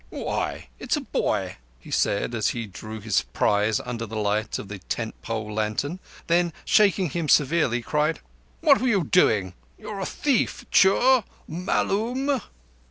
"Why, it's a boy!" he said, as he drew his prize under the light of the tent pole lantern, then shaking him severely cried: "What were you doing? You're a thief. _Choor? Mallum?